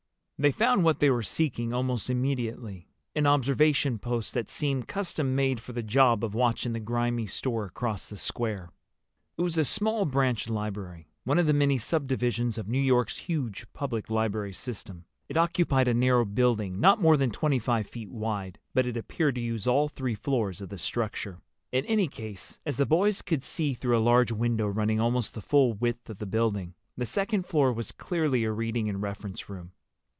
They found what they were seeking almost immediately—an observation post that seemed custom made for the job of watching the grimy store across the square. It was a small branch library—one of the many subdivisions of New York's huge public library system. It occupied a narrow building not more than twenty five feet wide, but it appeared to use all three floors of the structure. In any case, as the boys could see through a large window running almost the full width of the building, the second floor was clearly a reading and reference room.